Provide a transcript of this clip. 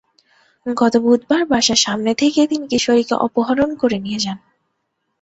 গত বুধবার বাসার সামনে থেকে তিনি কিশোরীকে অপহরণ করে নিয়ে যান।